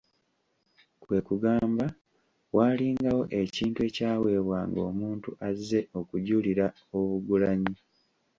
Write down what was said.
Kwe kugamba waalingawo ekintu ekyaweebwanga omuntu azze okujulira obugulanyi.